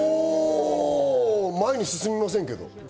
前に進みませんけど。